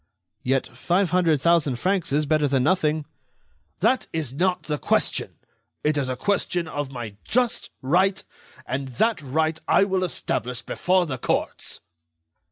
"Yet five hundred thousand francs is better than nothing." "That is not the question. It is a question of my just right, and that right I will establish before the courts."